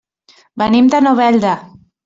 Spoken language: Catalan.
Venim de Novelda.